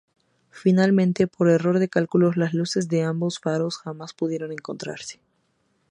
Finalmente por error de cálculos, las luces de ambos faros jamás pudieron encontrarse.